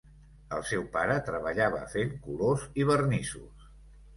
El seu pare treballava fent colors i vernissos.